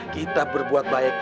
kita berbuat baik